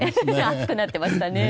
熱くなっていましたね。